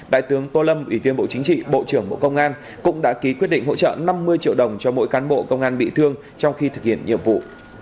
đại tướng tô lâm ủy viên bộ chính trị bộ trưởng bộ công an cũng đã ký quyết định hỗ trợ năm mươi triệu đồng cho mỗi cán bộ công an bị thương trong khi thực hiện nhiệm vụ